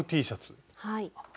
はい。